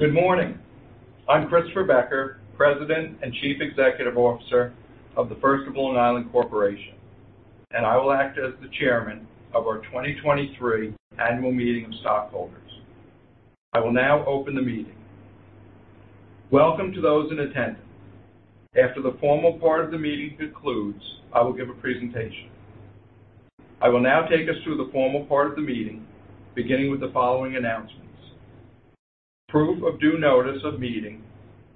Good morning. I'm Christopher Becker, President and Chief Executive Officer of The First of Long Island Corporation. I will act as the Chairman of our 2023 annual meeting of stockholders. I will now open the meeting. Welcome to those in attendance. After the formal part of the meeting concludes, I will give a presentation. I will now take us through the formal part of the meeting, beginning with the following announcements. Proof of due notice of meeting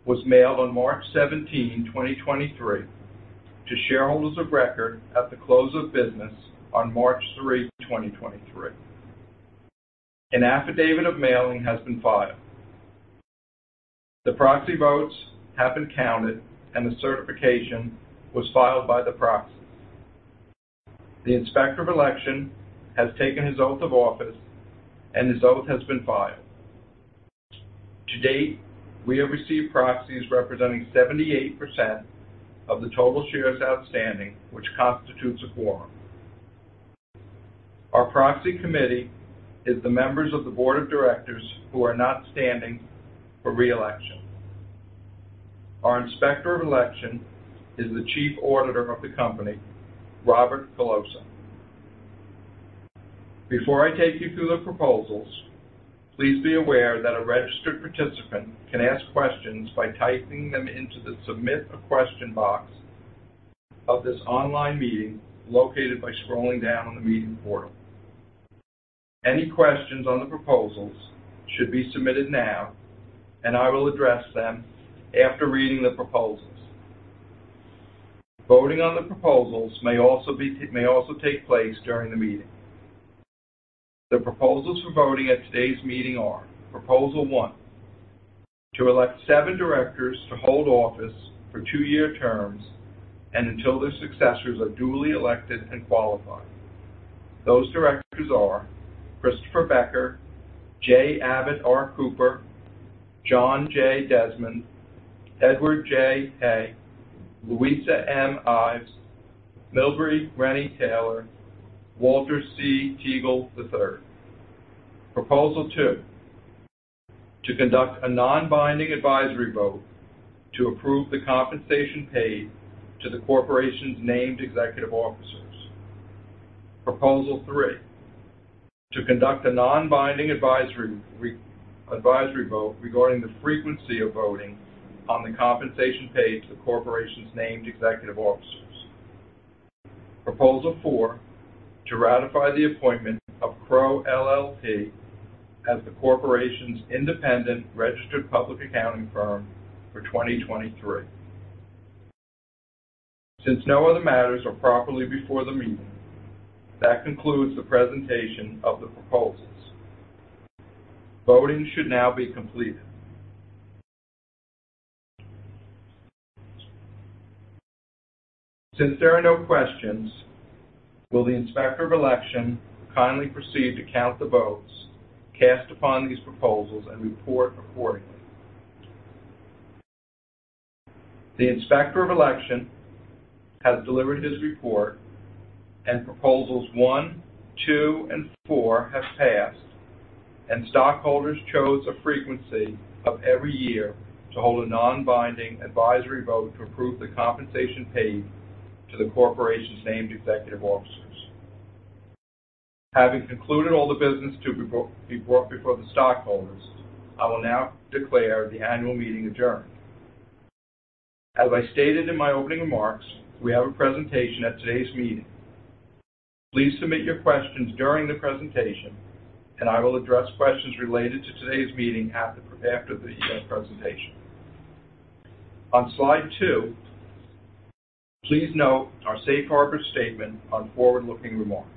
was mailed on 17 March 2023 to shareholders of record at the close of business on 3 March 2023. An affidavit of mailing has been filed. The proxy votes have been counted. The certification was filed by the proxies. The Inspector of Election has taken his oath of office, and his oath has been filed. To date, we have received proxies representing 78% of the total shares outstanding, which constitutes a quorum. Our proxy committee is the members of the board of directors who are not standing for re-election. Our Inspector of Election is the Chief Auditor of the company, Robert Filosa. Before I take you through the proposals, please be aware that a registered participant can ask questions by typing them into the Submit a Question box of this online meeting, located by scrolling down on the meeting portal. Any questions on the proposals should be submitted now; I will address them after reading the proposals. Voting on the proposals may also take place during the meeting. The proposals for voting at today's meeting are Proposal one, to elect seven directors to hold office for two-year terms and until their successors are duly elected and qualified. Those directors are Christopher Becker, J. Abbott R. Cooper, John J. Desmond, Edward J. Haye, Louisa M. Ives, Milbrey Rennie Taylor, Walter C. Teagle III. Proposal two, to conduct a non-binding advisory vote to approve the compensation paid to the corporation's named executive officers. Proposal three, to conduct a non-binding advisory vote regarding the frequency of voting on the compensation paid to the corporation's named executive officers. Proposal four, to ratify the appointment of Crowe LLP as the corporation's independent registered public accounting firm for 2023. Since no other matters are properly before the meeting, that concludes the presentation of the proposals. Voting should now be completed. Since there are no questions, will the Inspector of Election kindly proceed to count the votes cast upon these proposals and report accordingly. The Inspector of Election has delivered his report, and proposals one, two, and four have passed, and stockholders chose a frequency of every year to hold a non-binding advisory vote to approve the compensation paid to the corporation's named executive officers. Having concluded all the business to be brought before the stockholders, I will now declare the annual meeting adjourned. As I stated in my opening remarks, we have a presentation at today's meeting. Please submit your questions during the presentation. I will address questions related to today's meeting after the presentation. On slide two, please note our safe harbor statement on forward-looking remarks.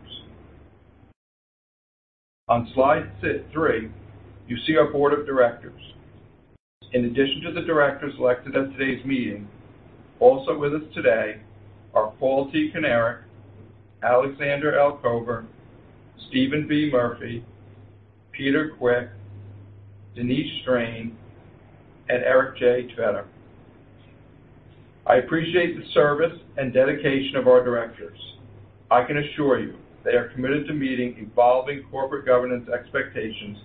On slide three, you see our board of directors. In addition to the directors elected at today's meeting, also with us today are Paul T. Canarick, Alexander L. Kober, Steven B. Murphy, Peter Quick, Denise Strain, and Eric J. I appreciate the service and dedication of our directors. I can assure you they are committed to meeting evolving corporate governance expectations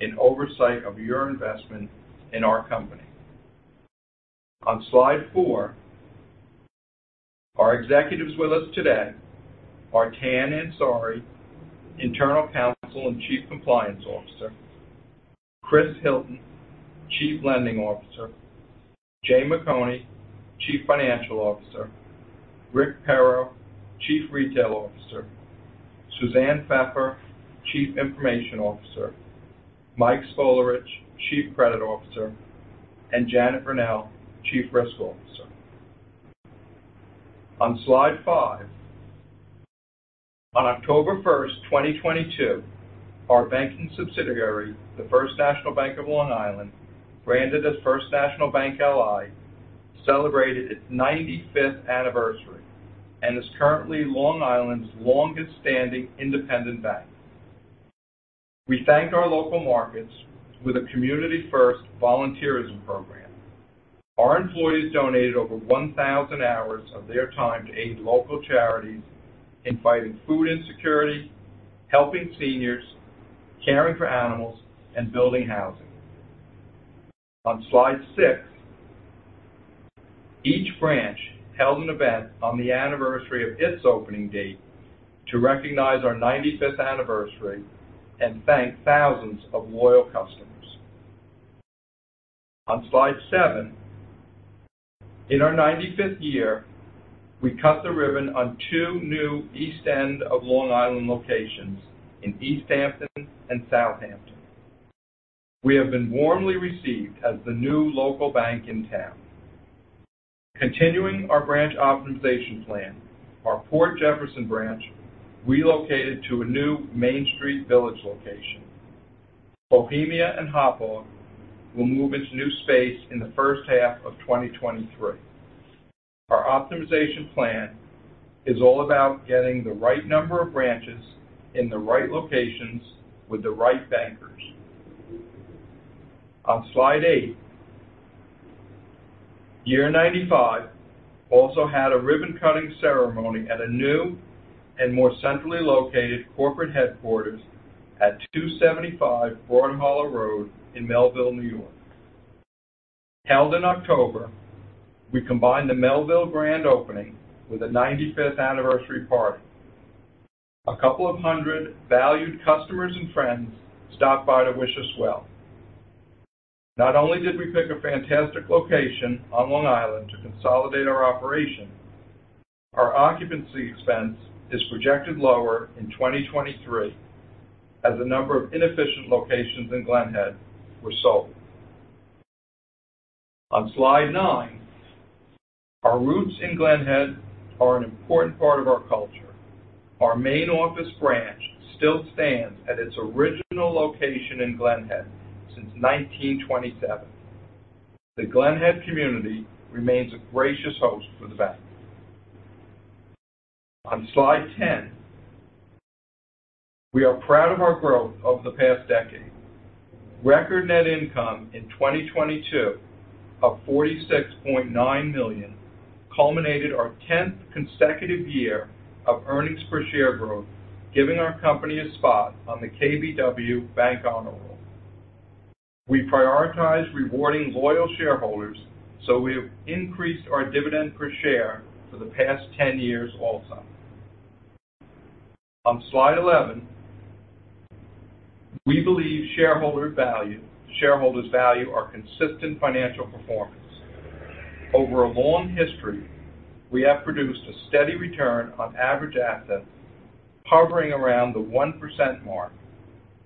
in oversight of your investment in our company. On slide four, our executives with us today are Tanweer Ansari, Internal Counsel and Chief Compliance Officer, Chris Hilton, Chief Lending Officer, Jay McConie, Chief Financial Officer, Richard Perro, Chief Retail Officer, Suzanne Pfeffer, Chief Information Officer, Mike Spolarich, Chief Credit Officer, and Janet Verneuille, Chief Risk Officer. On slide fivee. On 1 October 2022, our banking subsidiary, The First National Bank of Long Island, branded as First National Bank LI, celebrated its 95th anniversary and is currently Long Island's longest standing independent bank. We thanked our local markets with a Community First volunteerism program. Our employees donated over 1,000 hours of their time to aid local charities in fighting food insecurity, helping seniors, caring for animals, and building housing. On slide six, each branch held an event on the anniversary of its opening date to recognize our 95th anniversary and thank thousands of loyal customers. On slide seven, in our 95th year, we cut the ribbon on two new East End of Long Island locations in East Hampton and Southampton. We have been warmly received as the new local bank in town. Continuing our branch optimization plan, our Port Jefferson branch relocated to a new Main Street Village location. Bohemia and Hauppauge will move into new space in the first half of 2023. Our optimization plan is all about getting the right number of branches in the right locations with the right bankers. On slide eight, year 95 also had a ribbon-cutting ceremony at a new and more centrally located corporate headquarters at 275 Broad Hollow Road in Melville, New York. Held in October, we combined the Melville grand opening with a 95th anniversary party. A couple of hundred valued customers and friends stopped by to wish us well. Not only did we pick a fantastic location on Long Island to consolidate our operation, our occupancy expense is projected lower in 2023 as a number of inefficient locations in Glen Head were sold. On slide nine, our roots in Glen Head are an important part of our culture. Our main office branch still stands at its original location in Glen Head since 1927. The Glen Head community remains a gracious host for the bank. On slide 10, we are proud of our growth over the past decade. Record net income in 2022 of $46.9 million culminated our 10th consecutive year of earnings per share growth, giving our company a spot on the KBW Bank Honor Roll. We prioritize rewarding loyal shareholders, so we have increased our dividend per share for the past 10 years also. On slide 11, we believe shareholders value our consistent financial performance. Over a long history, we have produced a steady return on average assets hovering around the 1% mark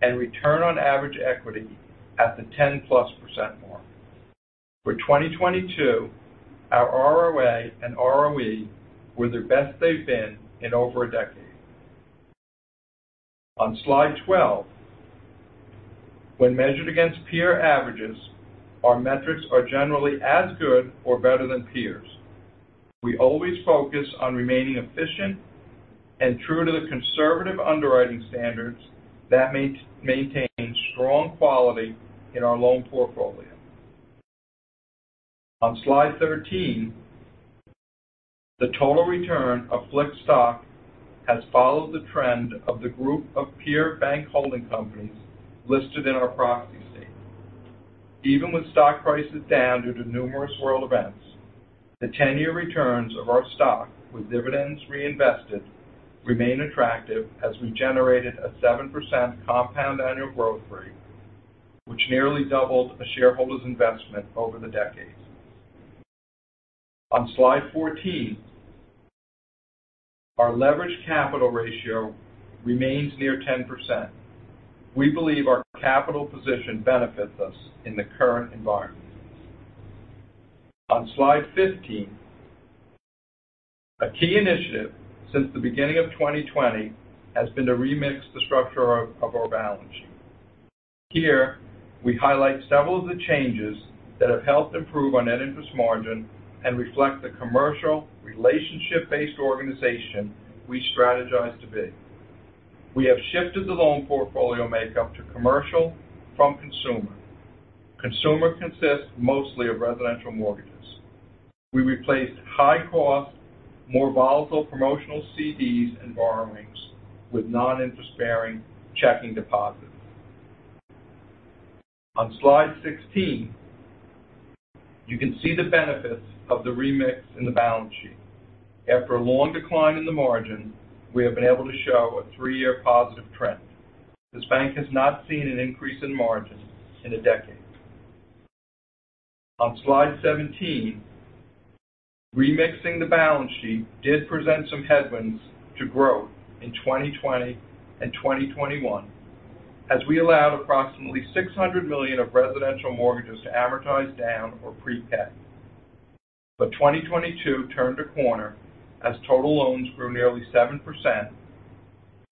and return on average equity at the 10% plus mark. For 2022, our ROA and ROE were the best they've been in over a decade. On slide 12, when measured against peer averages, our metrics are generally as good or better than peers. We always focus on remaining efficient and true to the conservative underwriting standards that maintain strong quality in our loan portfolio. On slide 13, the total return of FLIC stock has followed the trend of the group of peer bank holding companies listed in our proxy statement. Even with stock prices down due to numerous world events, the 10-year returns of our stock with dividends reinvested remain attractive as we generated a 7% compound annual growth rate, which nearly doubled a shareholder's investment over the decades. On slide 14, our leverage capital ratio remains near 10%. We believe our capital position benefits us in the current environment. On slide 15, a key initiative since the beginning of 2020 has been to remix the structure of our balance sheet. Here, we highlight several of the changes that have helped improve our net interest margin and reflect the commercial relationship-based organization we strategize to be. We have shifted the loan portfolio makeup to commercial from consumer. Consumer consists mostly of residential mortgages. We replaced high-cost, more volatile promotional CDs and borrowings with non-interest-bearing checking deposits. On slide 16, you can see the benefits of the remix in the balance sheet. After a long decline in the margin, we have been able to show a three-year positive trend. This bank has not seen an increase in margin in a decade. On slide 17, remixing the balance sheet did present some headwinds to growth in 2020 and 2021 as we allowed approximately $600 million of residential mortgages to amortize down or prepay. 2022 turned a corner as total loans grew nearly 7%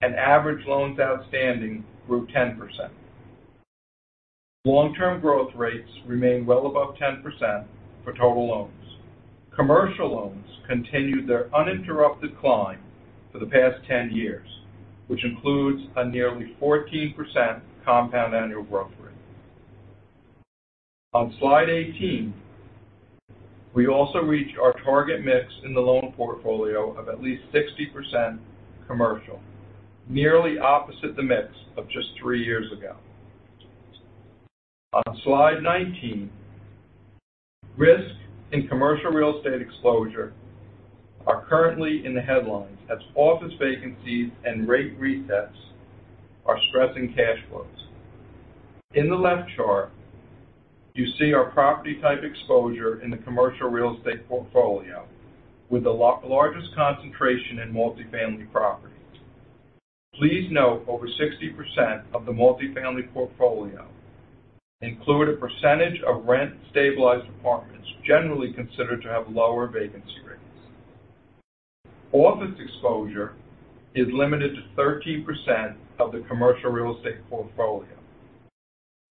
and average loans outstanding grew 10%. Long-term growth rates remain well above 10% for total loans. Commercial loans continued their uninterrupted climb for the past 10 years, which includes a nearly 14% compound annual growth rate. On slide 18, we also reached our target mix in the loan portfolio of at least 60% commercial, nearly opposite the mix of just three years ago. On slide 19, risk and commercial real estate exposure are currently in the headlines as office vacancies and rate resets are stressing cash flows. In the left chart, you see our property type exposure in the commercial real estate portfolio with the largest concentration in multifamily properties. Please note over 60% of the multifamily portfolio include a percentage of rent-stabilized apartments generally considered to have lower vacancy rates. Office exposure is limited to 13% of the commercial real estate portfolio.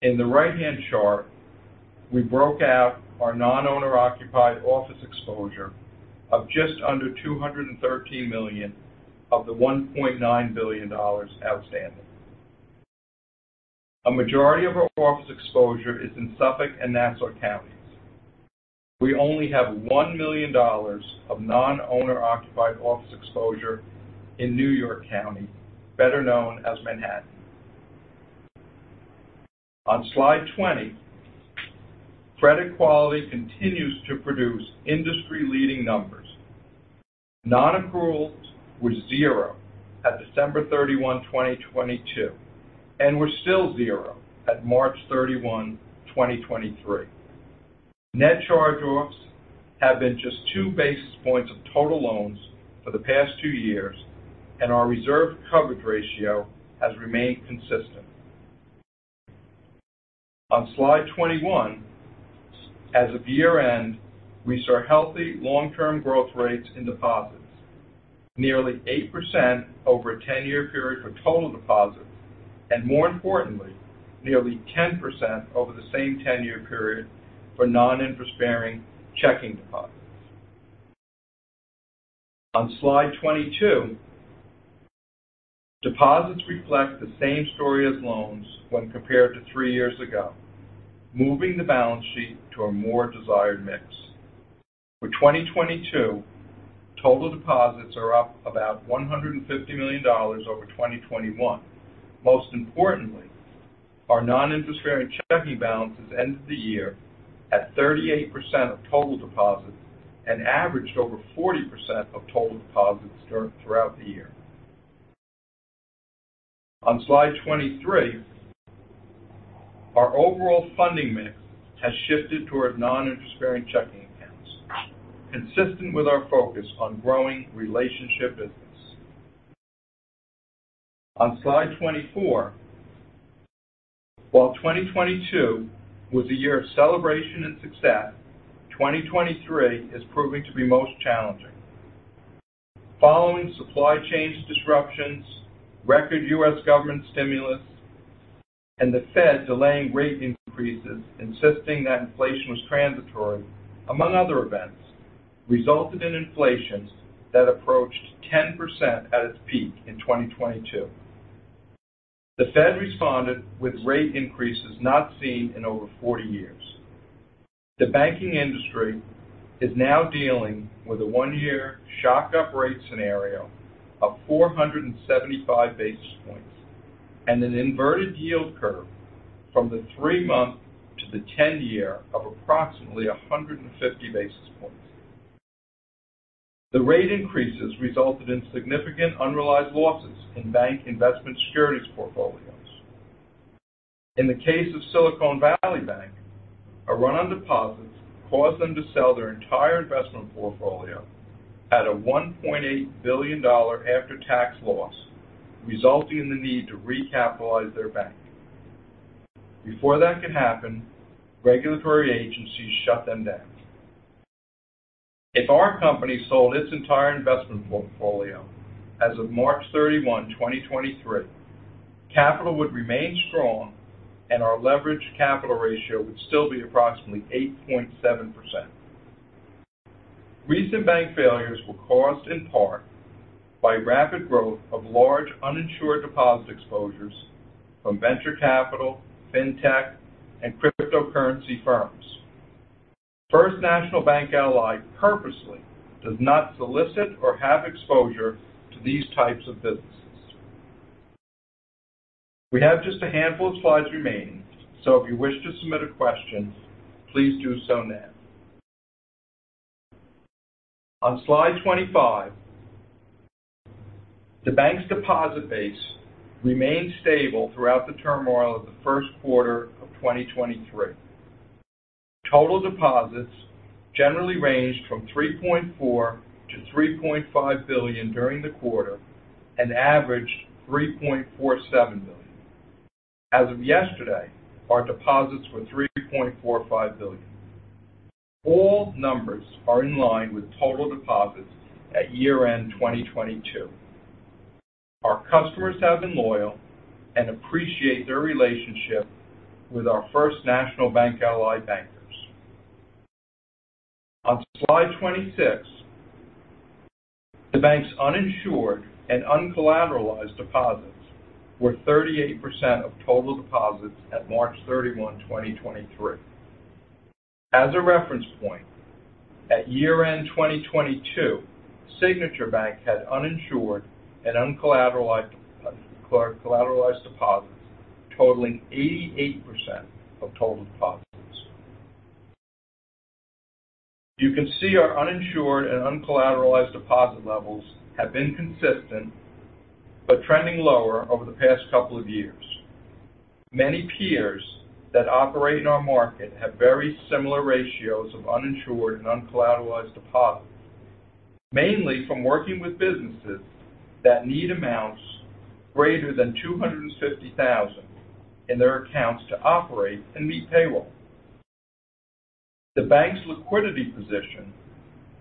In the right-hand chart, we broke out our non-owner occupied office exposure of just under $213 million of the $1.9 billion outstanding. A majority of our office exposure is in Suffolk and Nassau Counties. We only have $1 million of non-owner occupied office exposure in New York County, better known as Manhattan. On slide 20, credit quality continues to produce industry-leading numbers. Non-accruals were zero at 31 December 2022, and were still zero at 31 March 2023. Net charge-offs have been just two-basis points of total loans for the past two years, and our reserve coverage ratio has remained consistent. On slide 21, as of year-end, we saw healthy long-term growth rates in deposits, nearly 8% over a 10-year period for total deposits, and more importantly, nearly 10% over the same 10-year period for non-interest-bearing checking deposits. On slide 22, deposits reflect the same story as loans when compared to three years ago, moving the balance sheet to a more desired mix. For 2022, total deposits are up about $150 million over 2021. Most importantly, our non-interest-bearing checking balances ended the year at 38% of total deposits and averaged over 40% of total deposits throughout the year. On slide 23, our overall funding mix has shifted toward non-interest-bearing checking accounts, consistent with our focus on growing relationship business. On slide 24, while 2022 was a year of celebration and success, 2023 is proving to be most challenging. Following supply chains disruptions, record US government stimulus, and the Fed delaying rate increases, insisting that inflation was transitory, among other events, resulted in inflation that approached 10% at its peak in 2022. The Fed responded with rate increases not seen in over 40 years. The banking industry is now dealing with a one-year shock up rate scenario of 475-basis points and an inverted yield curve from the three-month to the 10-year of approximately 150-basis points. The rate increases resulted in significant unrealized losses in bank investment securities portfolios. In the case of Silicon Valley Bank, a run on deposits caused them to sell their entire investment portfolio at a $1.8 billion after-tax loss, resulting in the need to recapitalize their bank. Before that could happen, regulatory agencies shut them down. If our company sold its entire investment portfolio as of 31 March 2023, capital would remain strong and our leverage capital ratio would still be approximately 8.7%. Recent bank failures were caused in part by rapid growth of large uninsured deposit exposures from venture capital, fintech, and cryptocurrency firms. First National Bank LI purposely does not solicit or have exposure to these types of businesses. We have just a handful of slides remaining. If you wish to submit a question, please do so now. On slide 25, the bank's deposit base remained stable throughout the turmoil of the first quarter of 2023. Total deposits generally ranged from $3.4 to 3.5 billion during the quarter and averaged $3.47 billion. As of yesterday, our deposits were $3.45 billion. All numbers are in line with total deposits at year-end 2022. Our customers have been loyal and appreciate their relationship with our First National Bank LI bankers. On slide 26, the bank's uninsured and uncollateralized deposits were 38% of total deposits at 31 March 2023. As a reference point, at year-end 2022, Signature Bank had uninsured and uncollateralized, collateralized deposits totaling 88% of total deposits. You can see our uninsured and uncollateralized deposit levels have been consistent but trending lower over the past couple of years. Many peers that operate in our market have very similar ratios of uninsured and uncollateralized deposits, mainly from working with businesses that need amounts greater than $250,000 in their accounts to operate and meet payroll. The bank's liquidity position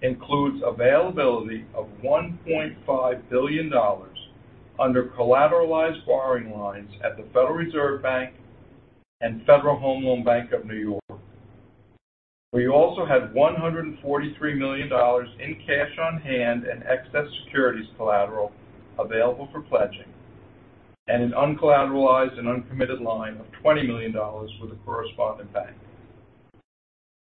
includes availability of $1.5 billion under collateralized borrowing lines at the Federal Reserve Bank and Federal Home Loan Bank of New York. We also had $143 million in cash on hand and excess securities collateral available for pledging and an uncollateralized and uncommitted line of $20 million with a correspondent bank.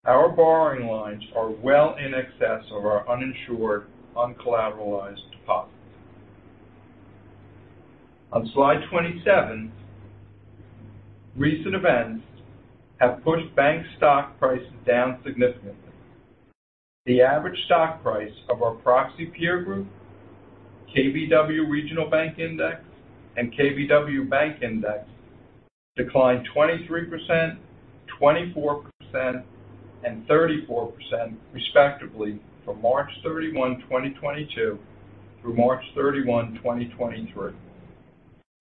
Our borrowing lines are well in excess of our uninsured, uncollateralized deposits. On slide 27, recent events have pushed bank stock prices down significantly. The average stock price of our proxy peer group, KBW Regional Bank Index and KBW Bank Index declined 23%, 24%, and 34% respectively from 31 March 2022 through 31 March 2023.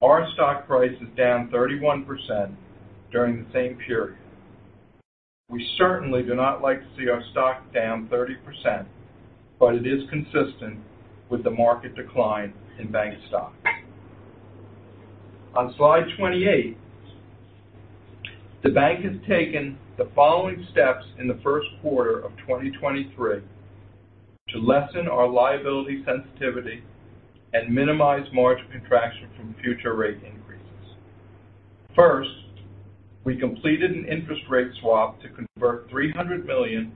Our stock price is down 31% during the same period. We certainly do not like to see our stock down 30%, but it is consistent with the market decline in bank stocks. On slide 28, the bank has taken the following steps in the first quarter of 2023 to lessen our liability sensitivity and minimize margin contraction from future rate increases. First, we completed an interest rate swap to convert $300 million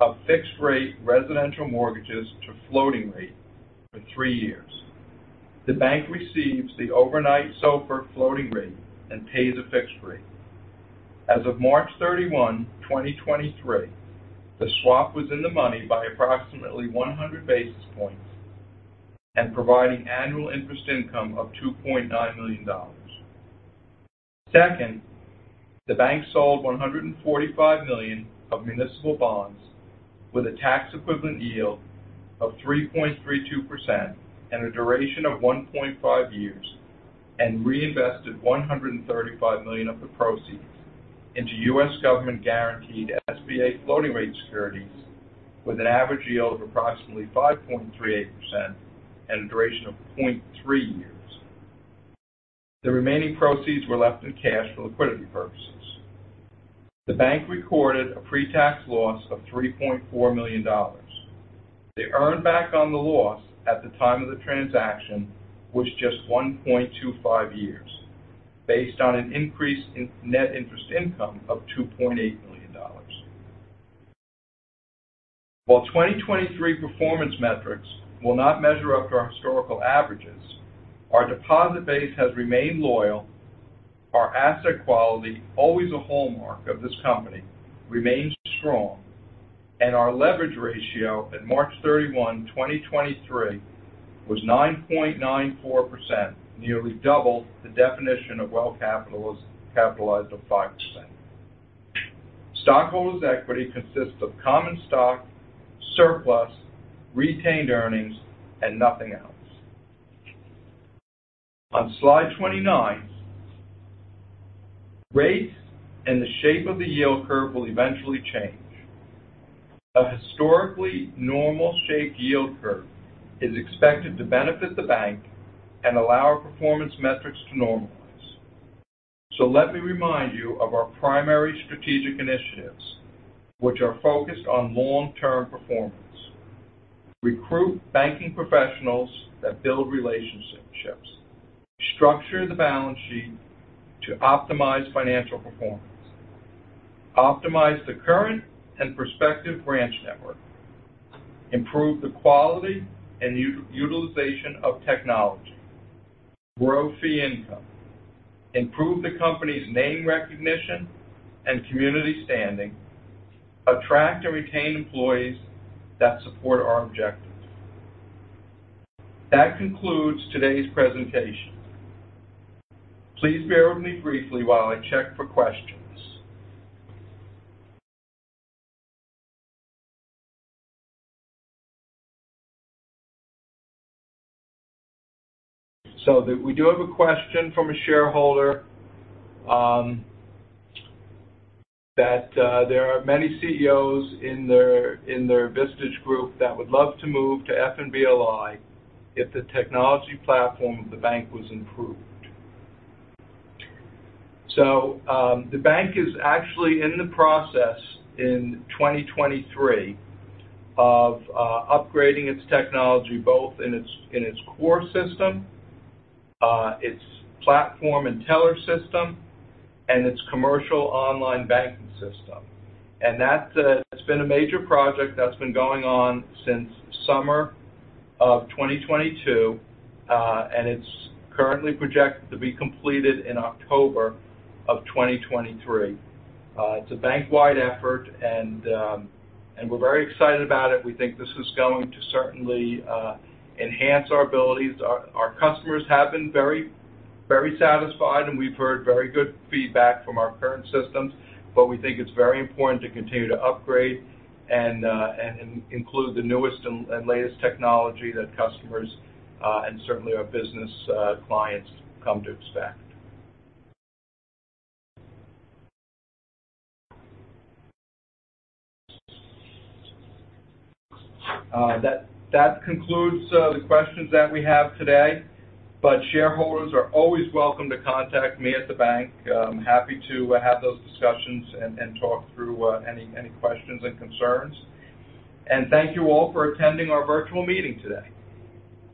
of fixed rate residential mortgages to floating rate for three years. The bank receives the overnight SOFR floating rate and pays a fixed rate. As of 31 March 2023, the swap was in the money by approximately 100-basis points and providing annual interest income of $2.9 million. Second, the bank sold $145 million of municipal bonds with a tax equivalent yield of 3.32% and a duration of 1.5 years, and reinvested $135 million of the proceeds into US government-guaranteed SBA floating rate securities with an average yield of approximately 5.38% and a duration of 0.3 years. The remaining proceeds were left in cash for liquidity purposes. The bank recorded a pre-tax loss of $3.4 million. The earn back on the loss at the time of the transaction was just 1.25 years based on an increase in net interest income of $2.8 million. While 2023 performance metrics will not measure up to our historical averages, our deposit base has remained loyal. Our asset quality, always a hallmark of this company, remains strong. Our leverage ratio at 31 March 2023 was 9.94%, nearly double the definition of well capitalized of 5%. Stockholders' equity consists of common stock, surplus, retained earnings, and nothing else. On slide 29, rates and the shape of the yield curve will eventually change. A historically normal shaped yield curve is expected to benefit the bank and allow our performance metrics to normalize. Let me remind you of our primary strategic initiatives, which are focused on long-term performance. Recruit banking professionals that build relationships. Structure the balance sheet to optimize financial performance. Optimize the current and prospective branch network. Improve the quality and utilization of technology. Grow fee income. Improve the company's name recognition and community standing. Attract and retain employees that support our objectives. That concludes today's presentation. Please bear with me briefly while I check for questions. We do have a question from a shareholder that there are many CEOs in their Vistage group that would love to move to FNBLI if the technology platform of the bank was improved. The bank is actually in the process in 2023 of upgrading its technology both in its core system, its platform and teller system, and its commercial online banking system. That's it's been a major project that's been going on since summer of 2022, and it's currently projected to be completed in October of 2023. It's a bank-wide effort and we're very excited about it. We think this is going to certainly enhance our abilities. Our customers have been very, very satisfied, and we've heard very good feedback from our current systems. We think it's very important to continue to upgrade and include the newest and latest technology that customers and certainly our business clients come to expect. That concludes the questions that we have today. Shareholders are always welcome to contact me at the bank. I'm happy to have those discussions and talk through any questions and concerns. Thank you all for attending our virtual meeting today.